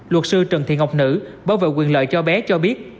luật sư trần thị ngọc nữ bảo vệ quyền lợi cho bé cho biết